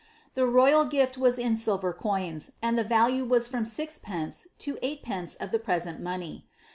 The royal gift was in silver coins, and the value was from sixpence to eight pence of the present money.